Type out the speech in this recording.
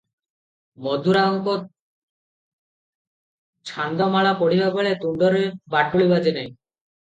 ମଧୁରାଓଙ୍କ ଛାନ୍ଦମାଳା ପଢ଼ିବା ବେଳେ ତୁଣ୍ଡରେ ବାଟୁଳି ବାଜେ ନାହିଁ ।